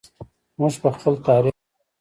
موږ په خپل تاریخ ویاړو.